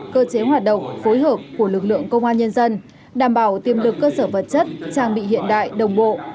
cơ chế hoạt động phối hợp của lực lượng công an nhân dân đảm bảo tìm được cơ sở vật chất trang bị hiện đại đồng bộ